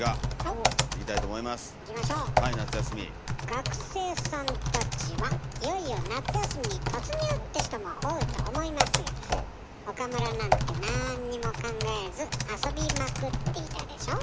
学生さんたちはいよいよ夏休みに突入！って人も多いと思いますが岡村なんてなんにも考えず遊びまくっていたでしょ？